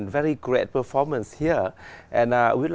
và câu hỏi thứ hai là